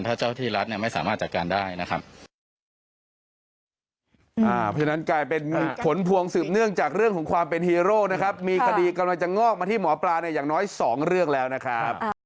ถ้าเจ้าที่รัฐไม่สามารถจัดการได้นะครับ